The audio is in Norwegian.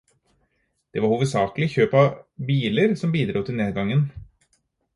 Det var hovedsakelig kjøp av biler som bidro til nedgangen.